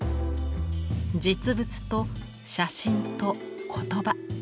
実物と写真と言葉。